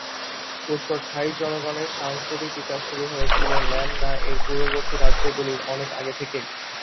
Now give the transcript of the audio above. উত্তর থাই জনগণের সাংস্কৃতিক বিকাশ শুরু হয়েছিল ল্যান না-এর পূর্ববর্তী রাজ্যগুলির অনেক আগে থেকেই।